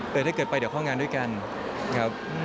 แต่ถ้าเกิดไปเดี๋ยวเข้างานด้วยกันครับ